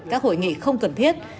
các hội nghị không cần thiết